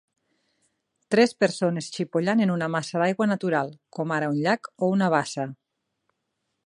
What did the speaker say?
Tres persones xipollant en una massa d'aigua natural, com ara un llac o una bassa.